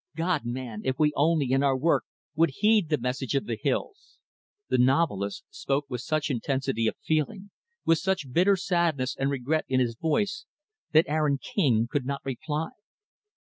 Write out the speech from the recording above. God, man! if only we, in our work, would heed the message of the hills!" The novelist spoke with such intensity of feeling with such bitter sadness and regret in his voice that Aaron King could not reply.